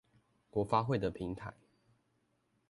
國發會的平台